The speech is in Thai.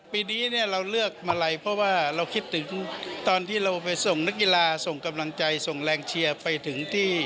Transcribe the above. ปีนี้เนี่ยเราเลือกมาลัยเพราะว่าเราคิดถึงตอนที่เราไปส่งนักกีฬาส่งกำลังใจส่งแรงเชียร์ไปถึงที่